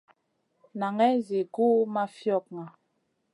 Naŋay zi gu ma fiogŋa.